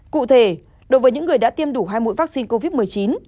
cụ thể đối với những người đã tiêm đủ hai mũi vaccine covid một mươi chín